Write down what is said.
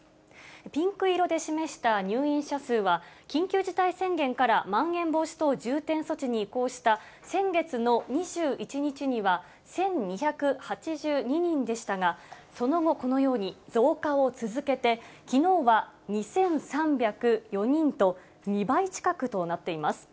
ピンク色で示した入院者数は、緊急事態宣言からまん延防止等重点措置に移行した先月の２１日には１２８２人でしたが、その後、このように増加を続けて、きのうは２３０４人と、２倍近くとなっています。